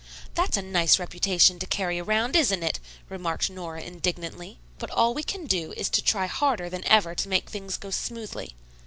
"That's a nice reputation to carry around, isn't it!" remarked Nora indignantly. "But all we can do is to try harder than ever to make things go smoothly.